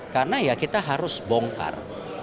karena kita harus bongkar